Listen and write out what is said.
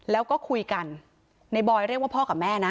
แล้วก็คุยกันในบอยเรียกว่าพ่อกับแม่นะ